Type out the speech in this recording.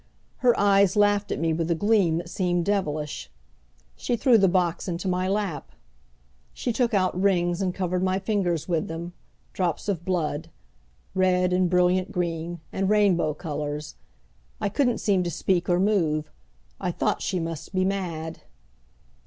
Her eyes laughed at me with a gleam that seemed devilish. She threw the box into my lap. She took out rings and covered my fingers with them, drops of blood, red, and brilliant green, and rainbow colors. I couldn't seem to speak or move. I thought she must be mad.